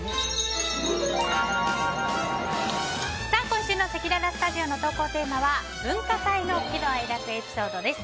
今週のせきららスタジオの投稿テーマは文化祭の喜怒哀楽エピソードです。